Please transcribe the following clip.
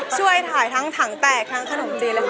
ช่วยถ่ายทั้งถังแตกทั้งขนมจีนเลยค่ะ